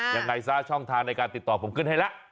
ยังไงซะช่องทางในการติดต่อผมขึ้นให้แล้ว